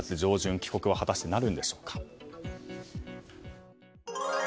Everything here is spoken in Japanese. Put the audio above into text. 帰国は果たしてなるんでしょうか。